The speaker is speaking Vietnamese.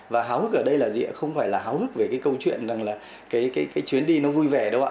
và háo hức ở đây là gì ạ không phải là háo hức về cái câu chuyện rằng là cái chuyến đi nó vui vẻ đâu ạ